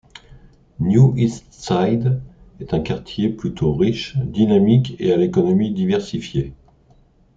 New Eastside est un quartier plutôt riche, dynamique et à l'économie diversifiée.